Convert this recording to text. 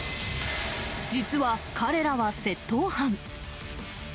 実は彼らは窃盗犯。